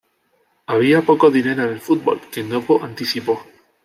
Había poco dinero en el fútbol, que Novo anticipó.